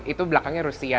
itu belakangnya rusia